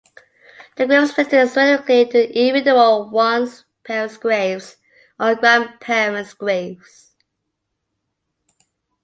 The graves relating specifically to an individual--one's parents' graves, or grandparents' graves.